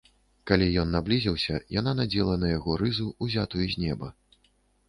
Калі ён наблізіўся, яна надзела на яго рызу, узятую з неба.